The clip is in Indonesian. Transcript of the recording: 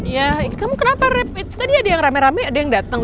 ya kamu kenapa rapid tadi ada yang rame rame ada yang datang